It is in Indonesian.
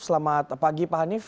selamat pagi pak hanif